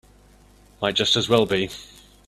Might just as well be.